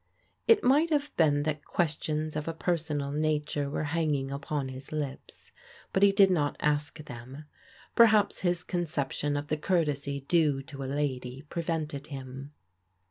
It might have been that questions of a personal nature were hanging upon his lips, but he did not ask them ; per haps his conception of the courtesy due to a lady pre vented him.